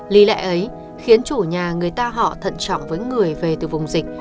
lý lẽ ấy khiến chủ nhà người ta họ thận trọng với người về từ vùng dịch